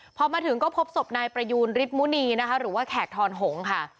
พอมาถึงก็พบศพนายประยูนฤทธมุณีนะคะหรือว่าแขกทอนหงค่ะ